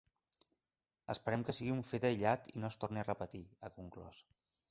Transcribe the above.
“Esperem que sigui un fet aïllat i no es torni a repetir”, ha conclòs.